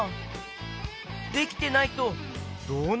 できてないとどうなるとおもう？